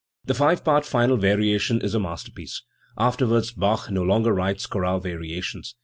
The five part final variation is a masterpiece. Afterwards Bach no longer writes chorale variations.